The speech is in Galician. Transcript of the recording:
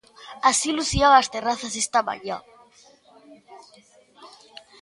Así lucían as terrazas esta mañá.